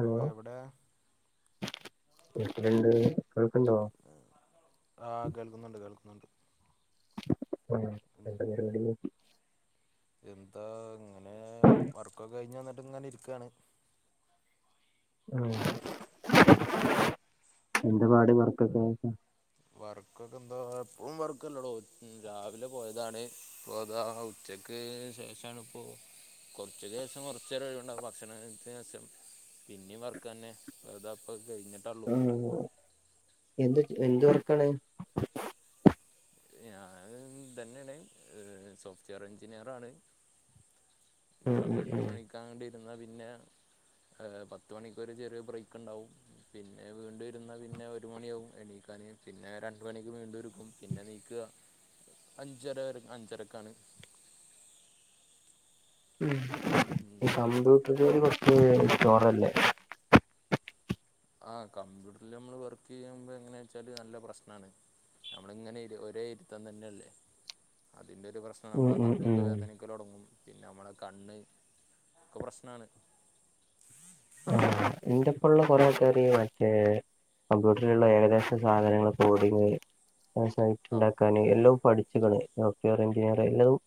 So എവിടെ... വീട്ടല് ണ്ട് വീട്ടിലോ. ആ കേൾക്കുന്നുണ്ട് കേൾക്കുന്നുണ്ട്.... ആ [unintelligible] എന്താ ഇങ്ങനെ വർക്കൊക്കെ കഴിഞ്ഞു വന്നിട്ട് ഇങ്ങനെ ഇരിക്കയാണ്...... ആ എന്താ പാട് വർക്കൊക്കെ..... വർക്കക്കെ എന്താ എപ്പഴും വർക്കല്ല ടോ രാവിലെ പോയതാണ് പോയത്..... ച്ചക്ക് ശേഷാണ് പോ.... കുറച്ചു ദിവസം കുറചേരം ഒഴിവുണ്ടാവും ഭക്ഷണം കഴിച്ചയിൻ്റേ ശേഷം.. പിന്നെ വർക്കന്നെ വെുതാപ്പൊ കഴിഞ്ഞിട്ട്..... ആ എന്ത് എന്ത് വർക്കാണ്... [unintelligible] തന്നെയാണ് സോഫ്റ്റ്വെയർ എഞ്ചിനീയർ ആണ്... ഉം ഉം രാവിലെ എട്ട് ഉം മണിക്കാണ്ടി ഇരുന്ന പിന്നെ..... ഏഹ് പത്ത് മണിക്കൊരു ചെറിയ ബ്രേക്ക്ണ്ടാവും. പിന്നെ വീണ്ടുരുന്ന പിന്നെ ഒരു മണിയാവും എണീക്കാന്. പിന്നെ രണ്ട് മണിക്ക് വീണ്ടു ഇരുക്കും. പിന്നെ നീക്ക അഞ്ചരര് അഞ്ചരക്കാണ്. ഈ കമ്പ്യൂട്ടർ ജോലി കൊറ്ച്ച് ചൊറല്ലെ? ആഹ് കമ്പ്യൂട്ടറ്ല് നമ്മള് വർക്കെയ്യുമ്പോ എങ്ങനെച്ചാല് നല്ല പ്രശ്നാണ്. നമ്മളിങ്ങനെ ഇര് ഒരേ ഇരുത്ത തന്നെല്ലേ അതിൻ്റൊരു പ്രശ്നം ആഹ് ഉം നമ്മളെ ഉം നടുവൊക്കെ ഉം വേദനിക്കലൊട്ങ്ങും പിന്നെ നമ്മളെ കണ്ണ് ഒക്കെ പ്രശ്നാണ്. ഇൻ്റെപ്പുള്ള കൊറെ എറി മറ്റേ കമ്പ്യൂട്ടറിലുള്ള ഏകദേശ സാധനങ്ങൾ കോഡിങ്. [unintelligible] ആ ഇണ്ടാക്കാന് എല്ലോം പഠിച്ച്ക്ക്ണ് ഡോക്ടർ എഞ്ചിനീയർ എല്ലതും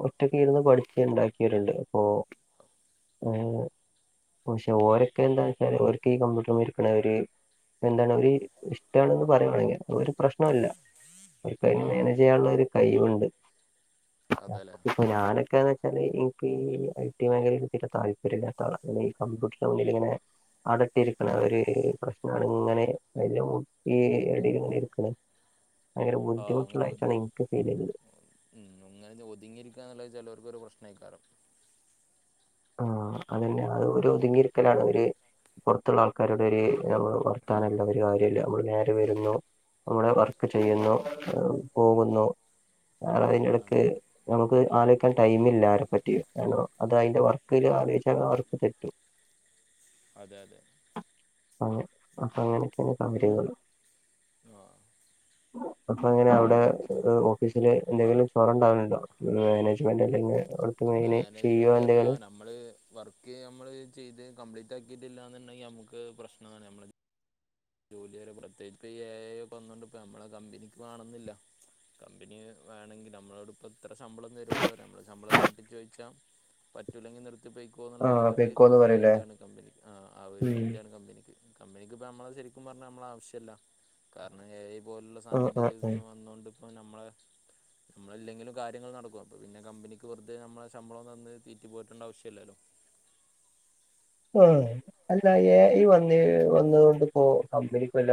ങ്ഒറ്റൊക്കിരുന്ന് പഠിച്ച് ഉണ്ടാക്കിയിട്ടുണ്ട്. ഓഹ് ഏഹ് പക്ഷെ ഓരൊക്കെ എന്താച്ചാൽ ഓര്ക്ക് ഈ കമ്പ്യൂട്ടർ മിരിക്ക്ണ ഒര് എന്താണ് ഒര് ഇഷ്ടണെന്ന് പറയമാണെങ്കിൽ ഒരു പ്രശ്നൊല്ല ആ പ്പെങ്ങനെണ് അതെ ചെയ്യാള്ളോര് കൈവ്ണ്ട് അതെല്ലേ? പ്പൊ ഞാനൊക്കെ നിക്കല് ഇൻക്ക് ഈ ഐ ടി മേഖലയിൽ തീരെ താല്പര്യമില്ലാത്താളാ കമ്പ്യൂട്ടർൻ്റെ മുന്നിലിങ്ങനെ അടട്ടിരിക്കണ ഒര് പ്രശ്നാണ് ഇങ്ങനെ അയില് മുട്ടി അടിൽങ്ങനെ ഇരിക്കണ ഭയങ്കര ആ അങ്ങനെ ഊതി ബുദ്ധിമുട്ടുള്ളായിട്ടാണ് ഇൻക്ക് ഫീലെയ്തത്. ഇങ്ങനെ ഒതുങ്ങിയിരിക്കാന്നുള്ളെ ചെലോൽക്കൊരു പ്രശ്നയിക്കാരം. ആ അതെന്നെ അത് ഒരു ഒതുങ്ങിരിക്കലാണ് ഒര് പൊറ്ത്തുള്ള ആൾക്കാരോട് ഒര് നമ്മ വർത്താനല്ല ആഹ് ഒര് കാ ല്ല ഓര് നേരെ വരുന്നു നമ്മള വർക്ക് ചെയ്യുന്നു പോകുന്നു. അ അതെ അയിന്റടക്ക് അതെ നമുക്ക് ആലോയിക്കാൻ ടൈമില്ല ആരെ പറ്റിയും അത് അയിൻ്റെ വർ കിലാലോയിച്ച ഇങ്ങളവർക്ക് തെറ്റും. അതെ അതെ. അങ്ങ് അങ്ങനൊക്കേണ് കാര്യങ്ങൾ. ആഹ് അപ്പൊങ്ങനെ അവടെ അ്ഒ ന്ത്ച്ചല് എന്തെങ്കിലു ചൊറണ്ടാവലുണ്ടോ മാനേജ്മെന്റ് അല്ലെങ്കിൽ അ [unintelligible] സിഇഒ മാനേജ്മെന്റ് പറഞ്ഞാ എന്തെങ്കിലു? നമ്മള് വർക്ക് നമ്മള് ചെയ്ത് കംപ്ലീറ്റാക്കിയിട്ടില്ലന്നുണ്ടെങ്കി നമുക്ക് പ്രശ്നാണ് നമ്മള് ജോലി വരെ പ്രത്യേകി ഈ ഏ ഐ വന്നോണ്ട്പ്പോ നമ്മളെ കമ്പനിക്ക് വാണന്നില്ല. കമ്പിനി വേണങ്കിൽ നമ്മളോടപ്പം ഇത്ര ശമ്പളം തരുള്ളോറി നമ്മള് ശമ്പളം കൂട്ടിച്ചോയിച്ചാ പറ്റൂല്ലെങ്കിൽ നിർത്തിപ്പോയി ക്കോന്നുള്ള ആ ഒരു പെക്കോന്ന് പറയൂലേ മൈൻ്റാണ് കമ്പിനിക്ക് ആഹ് ഒരു ഉം മൈൻ്റാണ് കമ്പിനിക്ക് കമ്പനിക്ക് ഇപ്പോ നമ്മള ശരി ക്കും പറഞ്ഞാ നമ്മളാവശ്യല്ല. കാരണം ഏ ഐ പോലുള്ള ആ ആ സാങ്കേതിക ആ ത് വന്നൊണ്ട്പ്പം നമ്മളെ നമ്മളില്ലെങ്കിലും കാര്യങ്ങൾ നടക്കും. അപ്പൊ പിന്നെ കമ്പിനിക്ക് വെറുതെ നമ്മളെ ശമ്പളം തന്ന് തീറ്റി പോറ്റേണ്ട ആവശ്യല്ലല്ലോ. ആ അല്ല ഏ ഇ വന്നേ വന്നോണ്ട്പ്പോ കമ്പിനിക്ക് വല്ല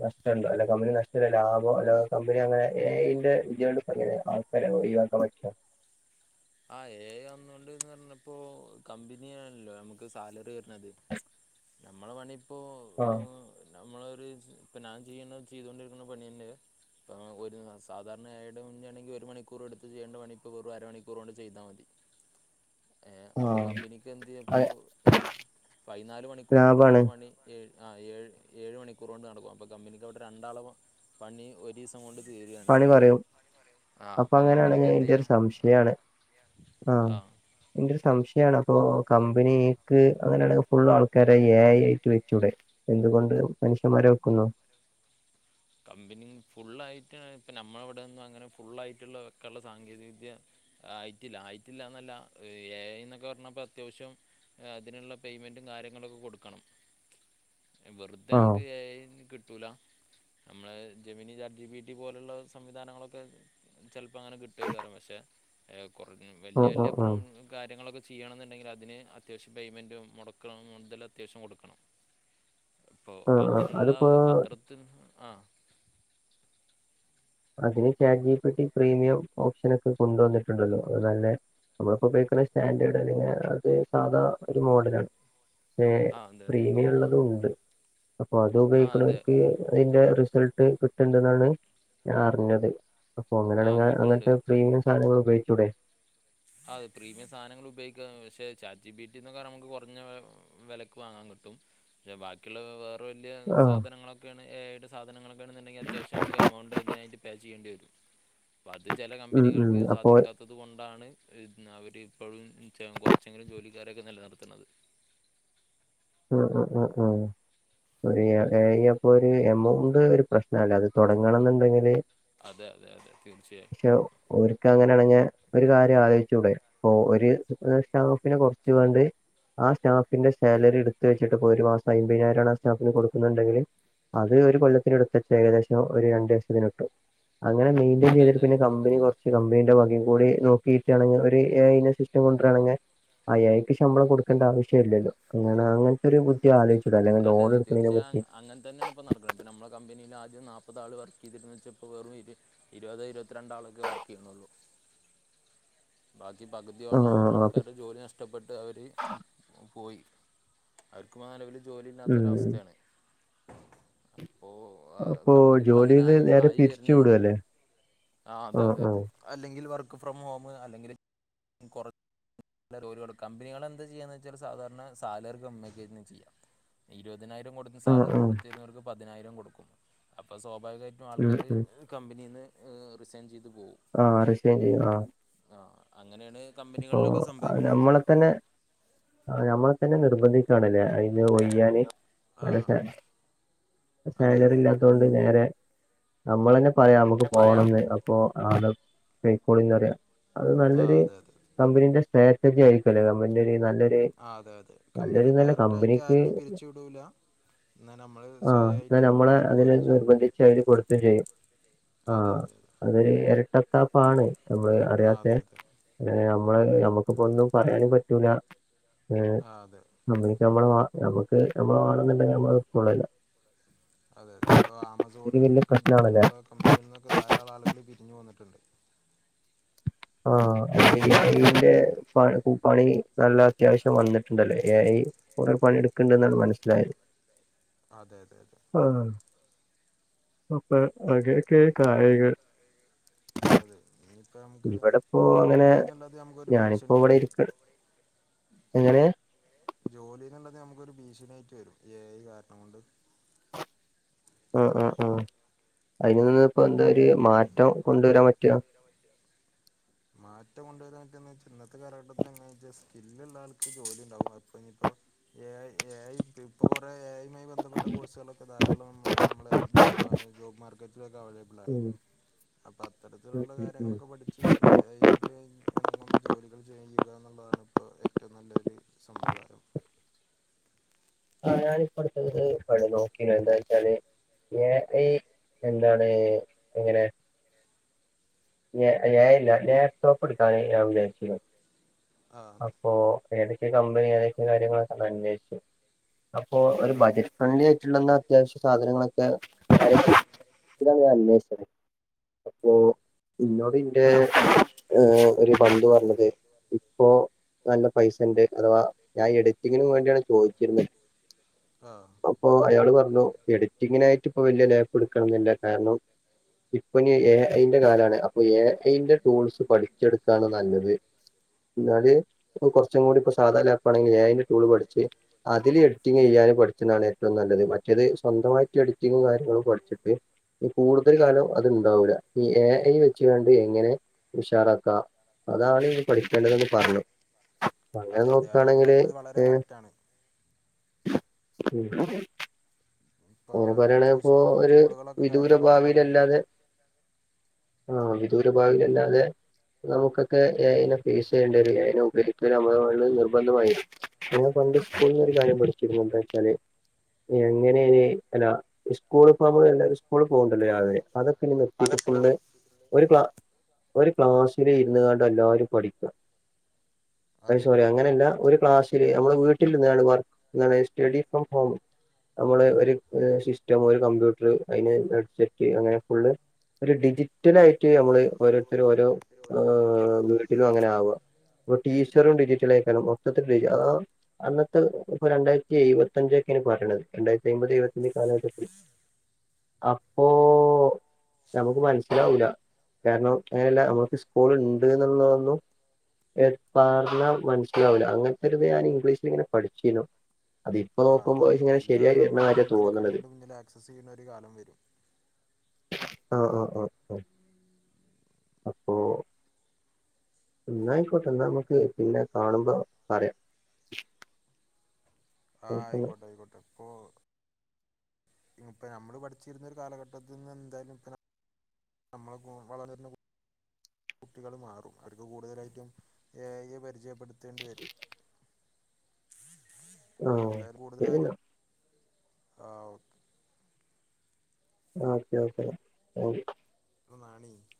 നഷ്ടണ്ടോ അല്ല കമ്പനി നഷ്ടല്ല ലാഭോ അല്ല കമ്പനി അങ്ങനെ ഏ ഐ ൻ്റെ ഇതിയോട്പ്പെങ്ങനെ? പെര ഒഴിവാക്ക പറ്റ്ണ ആഹ് ഏ ഐ വന്നോണ്ട്ന്നറഞ്ഞപ്പോ കമ്പിനിയാണല്ലോ നമുക്ക് സാലറി തര്ണത്. നമ്മളെ പണി പ്പോ അ് ആ നമ്മളൊര് ഇപ്പൊ ഞാൻ ചെയ്യുന്ന ചെയ്തൊണ്ടിരിക്കുന്ന പണിയെന്നെ തങ്ങക്കൊരു സാധാരണാ ഏ ഐ ടെ മുന്നാണെങ്കിൽ ഒരു മണിക്കൂറെടുത്ത് ചെയ്യേണ്ട പണിപോ വെറു അരണി ക്കൂറോണ്ട് ചെയ്താമതി. ഏഹ് അപ്പൊ കമ്പിനിക്ക് ആ എന്തെയ്യപ്പൊ പയിനാല് മണിക്കൂർ ലാഭാണ് എടുക്കണ്ട പണി ഏഴ് ആഹ് ഏഴ് ഏഴ് മണിക്കൂറോണ്ട് നടക്കും. അപ്പോൾ കമ്പനിക്ക് അവിടെ രണ്ടാള പണി ഒ രീസം കൊണ്ട് തീരാണ് പണി പറയും. ആഹ് അപ്പൊ അങ്ങനെയാണെങ്കി കമ്പനിക്ക് എന്റെ ഒരു എന്തെയ്യാം ആ സംശയാണ്. ആഹ് ആ എന്റെ ഒരു സംശയാണ്. അപ്പോ കമ്പനിക്ക് അങ്ങനെയാണെങ്കി ഫുൾ ആൾക്കാരെ എ ഐ ആയിട്ട് വെച്ചൂടെ? എന്തുകൊണ്ട് മനുഷ്യന്മാരെ വെക്കുന്നോ? കമ്പനി ഫുള്ളായിട്ട് ഇപ്പ നമ്മളവിടെ ഒന്നും അങ്ങനെ ഫുള്ളായിട്ടുള്ള ഒക്കെയുള്ള സാങ്കേതിക വിദ്യ- ആയിറ്റില്ല ആയിട്ടില്ല എന്നല്ല ഏ. ഐ ന്നൊക്കെ പറഞ്ഞപ്പ അത്യാവശ്യം- അതിനുള്ള പേയ്മെൻറും കാര്യങ്ങളൊക്കെ കൊടുക്കണം. [inaudible] വെറുതെ ആഹ് നമുക്ക് എ ഐ കിട്ടൂല. നമ്മളെ Gemini chat G P T പോലുള്ള സംവിധാനങ്ങളൊക്കെ ചിലപ്പോ അങ്ങനെ കിട്ടും. റ പക്ഷെ കുറ ഓ വല്ലിയ ഓ വല്ലിയ ഓ പ്രോബ- കാര്യങ്ങളൊക്കെ ചെയ്യണംന്നുണ്ടെങ്കിൽ അതിന് അത്യാവ്യം പേയ്മെന്ററ് മുടക്കണം മുതൽ അത്വശ്യം കൊടുക്കണം. [inaudible] അപ്പൊ ആഹ് ആഹ് അതിനുള്ള അതിപ്പോ അത്രത്തിൽ ആ. അതിന് chat G P T premium ഓപ്ഷനൊക്കെ കൊണ്ട് വന്നിട്ടുണ്ടല്ലോ. അത് നല്ല- നമ്മളിപ്പോപയോഗക്കണ് സ്റ്റാൻഡേഡ് അല്ലെങ്കിൽ അത് സാധാ ഒരു മോഡലാണ്. പക്ഷേ ആ അതെ അതെ ഉം. പ്രീമിയുള്ളതും ഉണ്ട്. അപ്പൊ അതും ആഹ് അതെ ഉപയോഗിക്ക്ണോൽക്ക് അതിന്റെ റിസൾട്ട് കിട്ടുണ്ട്ന്നാണ് ഞാൻ അറിഞ്ഞത്. അപ്പൊ ആഹ് അങ്ങനെയാണെങ്ങെ കിട്ട്ണ്ട് അങ്ങനത്തെ പ്രീമിയം സധനങ്ങൾ ഉപയോഗിച്ചൂടെ? അത് പ്രീമിയം സാധനങ്ങൾ ഉപയോഗിക്കാ. പക്ഷെ ചാറ്റ് ജി പി റ്റി എന്നൊക്കെ പറഞ്ഞ നമുക്ക് കുറഞ്ഞ വിലക്ക് വാങ്ങാൻ കിട്ടും. പക്ഷെ ബാക്കിയുള്ള വേറെ വലിയ ആഹ് സാധനങ്ങളൊക്കെയാണ് ഏഴെട്ട് സാധനങ്ങള- ണെന്നുണ്ടെങ്കിൽ അത്യാവശ്യം നമുക്ക് എമൗണ്ട് അതിനായിട്ട് പേ ചെയ്യേണ്ടി വരും. അപ്പൊ അത് ചില ഉം ഉം കമ്പനികൾക്ക് അപ്പൊ സാധിക്കാത്തത് കൊണ്ടാണ്- ഇ അവരി ഇപ്പോഴും കുറച്ചെങ്കിലും ജോലിക്കാരൊക്കെ നില നിർത്തണത്. ഉം. ഉ ഉം. ഉ ഒരു എ ഐ അപ്പൊരു എമൗണ്ട് പ്രശ്നല്ല. അത് തുടങ്ങണം ന്നുണ്ടെങ്കില്- അതെ അതെ അതെ. തീർച്ചയായും. ഓൽക്ക് അങ്ങനൊണങ്ങ ഒരു കാര്യം ആലോചിച്ചൂടെ. പ്പൊ ഒരു സ്റ്റാഫിനെ കുറച്ച്കാണ്ട് ആ സ്റ്റാഫിന്റെ സാലറി എടു- ഒത്തി വെച്ചിട്ട്പ്പോ ഒരു മാസം അയ്മ്പതിനായിരമാണ് ആ സ്റ്റാഫിന് കൊടുക്കുണുണ്ടെങ്കിൽ- അത് ഒരു കൊല്ലത്തിനടുത്തിട്ട് ഏകദേശം ഒരു രണ്ടു ലക്ഷത്തിന് കിട്ടും. അങ്ങനെ മെയിൻെയിൻ അതെ അതെ ചെയതി്രുന്നെങ്കിൽ കമ്പനി കുറച്ച്, - പക്ഷെ കമ്പനീന്റെ ഭാക്ക് കൂടി നോക്കിട്ടാണെങ്കി ഒരു എ ഐ സിസ്റ്റം കൊണ്ട്രാണെങ്ങെ - അയൾക്ക് ശമ്പളം കൊടുക്കേണ്ട ആവശ്യ ഇല്ലല്ലോ? ഞാൻ അ അങ്ങനത്തെൊ ഒരു ബുദ്ധി ആലോചിച്ചു അതെ അതെ. തീർച്ചയായും അങ്ങനെ തന്നെയ- ഇപ്പ നടക്കണംപ്പനമ്മെ കമ്പനിയിൽ ആദ്യം നാപ്പത് ആൾ വർക്ക് ചെയ്തി വെച്ച വെറും ഇരുപതോ ഇരുപത്തിരണ്ടാളൊക്കെ വർക്ക് ചെയ്യുന്നൊള്ളൂ. ബാക്കി ആ പകുതിയോളം ആ ആ. അപ്പൊ ആൾക്കാരുടെ ജോലി നഷ്ടം- നഷ്ടപ്പെട്ട് അവർ പോയി. അവർക്ക് പൊ നിലവിൽ ജോലില്ലാത്തൊര് ഉം അവസ്ഥയാണ്. അപ്പോ- അപ്പൊ കമ്പനികൾ അങ്ങനെ ജോലിന്ന് ആയി നേരെ ആയി പിരിച്ചു വരുന്നുണ്ട്. വിടുവല്ലേ ആ അതെ, അതെ, അതെ. അല്ലെങ്കിൽ വർക്ക് ഫ്രം ഹോം, അല്ലെങ്കിൽ- കുറ- ജോലിയൊള്ളു. കമ്പനികൾ എന്താ ചെയ്യാന്ന് വെച്ചാല് സാധാരണ സാലറി കമമിയാക്കാ ചെയ്യാ. ഇരുപതിനായിരം കൊടു- ആ സാലറി ആ കൊടുത്തിരുന്നവർക്ക് പതിനായിരം കൊടുക്കും. അപ്പോൾ സ്വാഭാവികമായിട്ടും ഉം ആൾക്കാർ- ഉം കമ്പനീന്ന് റിസൈൻ ചെയ്തു പോവും. ആഹ് റിസൈൻ ചെയ്യും. ആ. ആഹ് അങ്ങനെയാണ് അപ്പൊ കമ്പനികളിലൊക്കെ ആ, സംഭവിക്കണത്. നമ്മളെ തന്നെ ആ നമ്മളെ തന്നെ നിർബന്ധിക്കണല്ലേ അയ്ന്ന് ഒയ്യാന് ആഹ് അതെ സാലറി അതെ അതെ ഇല്ലാത്തൊണ്ട് നേരെ നമ്മൾ തന്നെ പറയാ നമുക്ക് പോണംന്ന് ഇപ്പോ ആ പോയ്‌ക്കോളിന്ന് പറയാ അത് ആ നല്ലൊരു- അതെ അതെ കമ്പനീന്റെ സ്ട്രാറ്റജി ആയിരിക്കുല്ലേ കമ്പനിന്റെ ഒരു നല്ലൊര് ആഹ് അതെ അതെ കമ്പനി ഡയറക്ട് ആയിട്ട് ആര്നെയും പിരിച്ചു വിടൂല എന്നാ നമ്മള് ആഹ് എന്നാ സ്വയായിട്ട് നമ്മളെ പിരിഞ്ഞു അതിന് പോരും ചെയ്യും നിർബന്ധിച്ച് അതില് കൊടുത്തും ചെയ്യും അതെ ആഹ് അതെ അതെ അതൊരു എരട്ടത്താപ്പാണ് നമ്മള് ആ അറിയാത്ത അതെ അതെ ഏഹ് നമ്മള് നമുക്കിപ്പോ ഒന്നും പറയാനും പറ്റൂല ഏഹ് ആ അതെ നമ്മക്ക് ഉം നമ്മള് മാ നമ്മക്ക് നമ്മള് ആണുന്നുണ്ടെങ്കിൽ നമ്മള് കൊള്ളില്ല അതെ അതെ ഇപ്പൊ ആമസോണ് ഇതൊരു വലിയ ഫ്ളിപ്പ്കാർട്ട് പ്രശ്നാണല്ലേ പോലുള്ള കമ്പനികളിൽ നിന്നൊക്കെ ധാരാളം ആളുകള് പിരിഞ്ഞു വന്നിട്ടുണ്ട് ആഹ് എ ഐ ന്റെ പണി ക്കു പണി നല്ല അത്യാവശ്യം വന്നിട്ടുണ്ടല്ലോ എ ഐ കൊറേ പണിട്‌ക്ക്‌ണ്ട്ന്നാണ് മനസ്സിലായത് അതെ അതെ അതെ ആഹ് അപ്പോ അങ്ങനൊക്കാണ്‌ കാര്യങ്ങള് അതെ അതെ ഇനിയിപ്പ നമ്മുക്ക് ഇവിടെപ്പോ അങ്ങനെ ജോലിന്ന്ള്ളത് നമ്മുക്കൊരു ഭീഷണിയാണേ എങ്ങനെയ ജോലിന്ന്ള്ളത് നമുക്കൊരു ഭീഷണ്യയിട്ട് വരും ഈ എ ഐ കാരണം കൊണ്ട് ആഹ് ആഹ് അഹ് അയ്ൽ നിന്ന് ഇപ്പോ എന്താ ഒര് മാറ്റം കൊണ്ടുവരാൻ പറ്റ മാറ്റം കൊണ്ടുവരാൻ പറ്റോന്നച്ചാ ഇന്നത്തെ കാലഘട്ടത്തില് എങ്ങനാച്ചാ സ്കില്ലിള്ളാൾക്ക് ജോലി ഇണ്ടാവും അപ്പൊ ഇനിപ്പോ എ ഐ എ ഐ ഇപ്പൊ കൊറേ എ ഐ ഐ യുമായി ബന്ധപ്പെട്ട കോഴ്സുകളൊക്കെ ധാരാളം നമ്മളെ ജോബ് ഏഹ് ജോബ് മാർക്കറ്റിലൊക്കെ അവൈലബിൾ ആ ഉം അപ്പൊ ഉം അത്തരത്തിലുള്ള ഉം ഉം കാര്യങ്ങളൊക്കെ പഠിച്ച് എ ഐ നോട്ട് എണങ്ങുന്ന ജോലികൾ ചെയ്യുക എന്നുള്ളതാണ് ഇപ്പോ ഏറ്റവും നല്ലൊരു സമ്പ്രദായം ആ ഞാനിപ്പടുത്തെ ഇപ്പാണ് നോക്കീ എന്താ വെച്ചാല് എ ഐ എന്താണ് എങ്ങനെ? എ ഐ എ ഐ അല്ല ലാപ്ടോപ്പ് എടുക്കാൻ ഞാൻ വിചാച്ചിക്ക്ണ് ആ അതെ അപ്പോ ഏതൊക്കെ കമ്പനി ഏതൊക്കെ കാര്യങ്ങളൊക്കെ ഒന്നന്വേഷിച്ചു അപ്പോ ഒരു ആ ബജറ്റ് ഫ്രണ്ട്ലി ആയിട്ടുള്ളന്ന അത്യാവശ്യ സാധനങ്ങളൊക്കെ [inaudible] ഇതാണ് ഞാൻ അന്വേഷിച്ചത് അപ്പോ ഇന്നോട് ഇന്റെ ഏഹ് ഒരു ഫ്രണ്ട് പറഞ്ഞത് ഇപ്പോ നല്ല പൈസണ്ട് അഥവാ ഞാൻ എഡിറ്റിങ്ങിന് വേണ്ടിയാണ് ചോദിച്ചിരുന്നെ. ആഹ് അപ്പൊ അയാള് പറഞ്ഞു എഡിറ്റിങ്ങിനായിട്ട് ഇപ്പൊ വലിയ ലാപ്പ് എടുക്കണന്നില്ല കാരണം ഇപ്പൊ ഇനി എ ഐന്റെ കാലാണ് അപ്പൊ എ ഐന്റെ ടൂൾസ് പഠിച്ചെടുക്കാണ് നല്ലത് എന്നാല് കൊറച്ചും കൂടി ഇപ്പ സാധാ ലാപ്പാണെങ്കി എ ഐന്റെ ടൂള് പഠിച്ച് അതില് എഡിറ്റിംഗ് ചെയ്യാൻ പഠിച്ചന്നാണ് ഏറ്റവും നല്ലത് മറ്റേത് സ്വന്തമായിട്ട് എഡി എഡിറ്റിങ്ങും കാര്യങ്ങളും പഠിച്ചിട്ട് ഇനി കൂടുതൽ കാലം അത് ഇണ്ടാവൂല ഈ എ ഐ വെ നാണ്ട് എങ്ങനെ ഉഷാറാക്കാ, അതാണ് ഇനി പഠിക്കേണ്ടതെന്ന് പറഞ്ഞു അപ്പൊ അങ്ങനെ അതെ അതെ അയാൾ നോക്കാണെങ്കില് പറഞ്ഞത് വളരെ ഏഹ് കറക്റ്റാണ് ഉം ഇപ്പോൾ ഓര് പറയണതിപ്പോ അത്യാവശ്യം ഒരു ടൂളുകളൊക്കെ വിദൂര കാര്യങ്ങളായിട്ട് കുറേ ഉണ്ട് അതെ ഭാവിയിലല്ലാതെ ആഹ് വിദൂര ഭാവിയിലല്ലാതെ നമ്മുക്കൊക്കെ എ ഐനെ ഫേസ്യ്യേണ്ടി വെരും എ ഐനെ ഉപയോഗിക്കണം നമ്മള് മേളില് നിർബന്ധമായി ഞങ്ങ പണ്ട് സ്കൂളിലൊരു കാര്യം പഠിച്ചിരുന്നു എന്താച്ചാല് എങ്ങനെയാണ് അല്ല സ്കൂള്പ്പ നമ്മള് എല്ലാരും സ്കൂള് പോവിണ്ടല്ലോ രാവിലെ അതൊക്കെ ഇനി നിർത്തിട്ട് ഫുള്ള് ഒരു ക്ലാ ഒരു ക്ലാസ്സില് ഇരുന്ന്ങ്ങാണ്ട് എല്ലാരും പഠിക്കാ അയ് അതെ സോറി അങ്ങനല്ല ഒരു ക്ലാസ് സില് നമ്മള് വീട്ടിൽ ഇരുന്നാണ്ട് വർക്ക് എന്താണ് സ്റ്റഡി ഫ്രം ഹോം നമ്മള് ഒരു ഏഹ് സിസ്റ്റം ഒരു കമ്പ്യൂട്ടറ് അതിന് ഹെഡ്സെറ്റ് അങ്ങനെ ഫുള്ള് ഒരു ഡിജിറ്റൽ ആയി ട്ട് നമ്മള് ഓരോരുത്തരും ഓരോ ഏഹ് വീട്ടിലും അങ്ങനെ ആവാ ഇപ്പൊ ടീച്ചറും ഡിജിറ്റലയ്ക്കാരം മൊത്തത്തി ഡിജി ആഹ് അന്നത്തെ ഇപ്പൊ രണ്ടായിരത്തി എഴുപത്തഞ്ചൊക്കെയാണ് പറയണത് രണ്ടായിരത്തി അൻപത് എഴുപത് [unintelligible] കാലഘട്ടത്തിൽ അപ്പോ നമുക്ക് മനസ്സിലാവൂല കാരണം അങ്ങനല്ല നമുക്ക് സ്കൂളിണ്ട്ന്നുള്ളതൊന്നും ഏഹ് പറഞ്ഞാ മനസ്സിലാവില്ല അങ്ങനത്തെരുത് ഞാൻ ഇംഗ്ലീഷില് ഇങ്ങനെ പഠിച്ചിനു. അത് ഇപ്പൊ ആ അതെ നോക്കുമ്പോ അതെ അതിങ്ങനെ എല്ലാം ശരിയായി വര്ണ നമ്മളെ മാര്യ മുന്നിൽ കണ്ണിൻ്റെ മുന്നില് ആക്സസ് ചെയ്യുന്ന ഒരു കാലം വെരും ആഹ് ആഹ് ആഹ് അപ്പൊ ഇന്നായ്ക്കോട്ടെ എന്നാ നമുക്ക് പിന്നെ കാണുമ്പോ പറയാം ആഹ് ഓക്കെ എന്നാ ആയിക്കോട്ടെ ആയിക്കോട്ടെ ഇപ്പോ ഇപ്പ നമ്മള് പഠിച്ചിരുന്ന ഒരു കാലഘട്ടത്തിന്ന് എന്തായാലും ഇ നമ്മളിപ്പോ വളർന്നു വരുന്ന കു കുട്ടികള് മാറും അവർക്ക് കൂടുതലായിട്ടും എ ഐയേ പരിചയം പെടുത്തേണ്ടി വെരും ആഹ് ശെരി എന്നാ ആഹ് ഓ ആഹ് ഓക്കെ ഓക്കെ [unintelligible] [unintelligible]